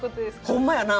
ホンマやな。